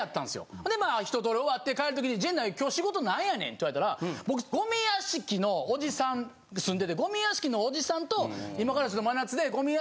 ほんでまあ一通り終わって帰るときに「陣内今日仕事何やねん？」って言われたから僕ゴミ屋敷のおじさん住んでてゴミ屋敷のおじさんと今からちょっと真夏で。